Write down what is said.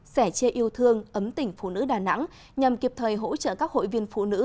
sẻ chia yêu thương ấm tỉnh phụ nữ đà nẵng nhằm kịp thời hỗ trợ các hội viên phụ nữ